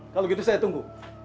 kalau gitu saya tunggu